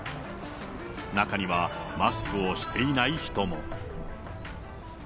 中には、マスクをしていない人も。